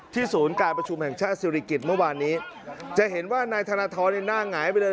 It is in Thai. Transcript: ศูนย์การประชุมแห่งชาติศิริกิจเมื่อวานนี้จะเห็นว่านายธนทรหน้าหงายไปเลย